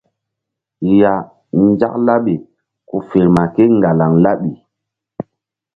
Ya Nzak laɓi ku firma kéŋgalaŋ laɓi.